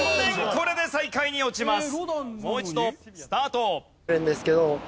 これで最下位に落ちます。